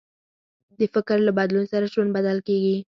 د فکر له بدلون سره ژوند بدل کېږي.